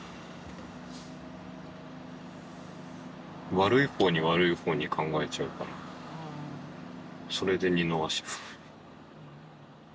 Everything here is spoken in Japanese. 悪い方に悪い方に考えちゃうからそれで二の足踏む。